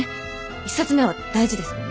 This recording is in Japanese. １冊目は大事ですもんね。